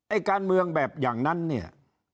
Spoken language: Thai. การเมืองแบบอย่างนั้นเนี่ย